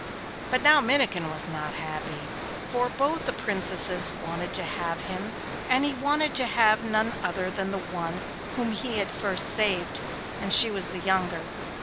But now Minnikin was not happy, for both the Princesses wanted to have him, and he wanted to have none other than the one whom he had first saved, and she was the younger.